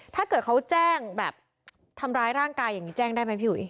ถ้าเกิดเขาแจ้งแบบทำร้ายร่างกายอย่างนี้แจ้งได้ไหมพี่อุ๋ย